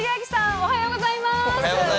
おはようございます。